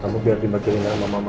kamu biar dibagi bagi dengan mama mama